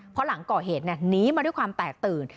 เพราะหลังก่อเหตุหนีมาด้วยความแตกตื่น